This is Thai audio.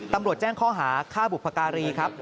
ตำรวจแจ้งข้อหาฆ่าบุพการีครับ